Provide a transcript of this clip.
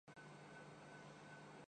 اپنے دل کی بات کہو۔